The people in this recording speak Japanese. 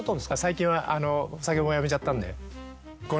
最近はお酒もやめちゃったんで。